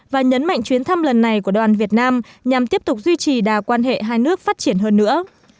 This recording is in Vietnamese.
và nhấn mạnh chuyến thăm lần này của đoàn việt nam nhằm tiếp tục duy trì đà quan hệ hai nước phát triển hơn nữa